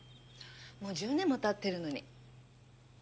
もう１０年も経ってるのに。